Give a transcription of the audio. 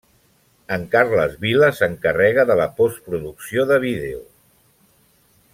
En Carles Vila s'encarrega de la post producció de vídeo.